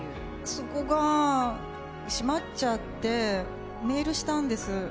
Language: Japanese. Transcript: そこがしまっちゃってメールしたんです。